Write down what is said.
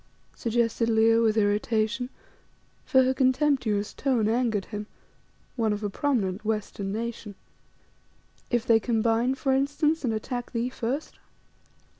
suggested Leo with irritation, for her contemptuous tone angered him, one of a prominent western nation. "If they combine, for instance, and attack thee first?"